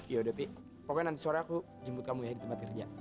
yaudah pi pokoknya nanti sore aku jemput kamu ya di tempat kerja